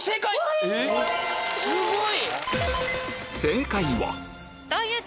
すごい！